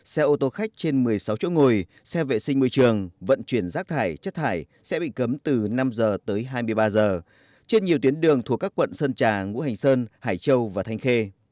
xe ô tô khách trên một mươi sáu chỗ ngồi xe vệ sinh môi trường vận chuyển rác thải chất thải sẽ bị cấm từ năm giờ tới hai mươi ba giờ trên nhiều tuyến đường thuộc các quận sơn trà ngũ hành sơn hải châu và thanh khê